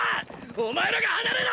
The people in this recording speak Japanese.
お前らが離れろ！！